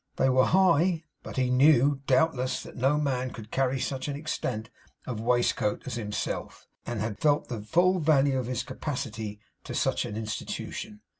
They were high; but he knew, doubtless, that no man could carry such an extent of waistcoat as himself, and felt the full value of his capacity to such an institution.